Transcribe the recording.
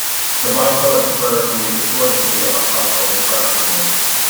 The bicolored square can be distorted into isosceles trapezoids.